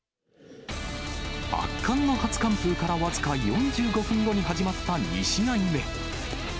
圧巻の初完封から僅か４５分後に始まった２試合目。